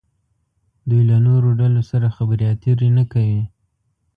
دوی له نورو ډلو سره خبرې اترې نه کوي.